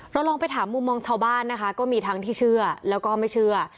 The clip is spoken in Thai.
ลองไปถามมุมมองชาวบ้านนะคะก็มีทั้งที่เชื่อแล้วก็ไม่เชื่อ